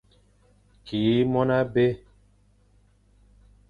Ki mon abé.